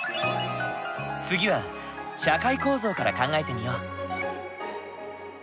次は社会構造から考えてみよう。